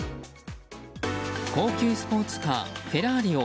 高級スポーツカーフェラーリを